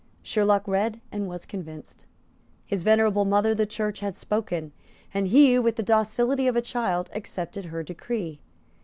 Sherlock read, and was convinced. His venerable mother the Church had spoken; and he, with the docility of a child, accepted her decree.